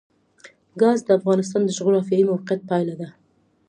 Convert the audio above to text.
ګاز د افغانستان د جغرافیایي موقیعت پایله ده.